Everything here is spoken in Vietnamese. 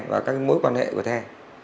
và các mối quan hệ của theo